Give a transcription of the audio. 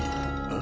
あ。